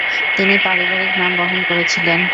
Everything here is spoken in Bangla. তিনি পারিবারিক নাম বহন করেছিলেন।